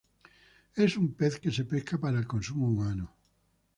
Es un pez que se pesca para el consumo humano.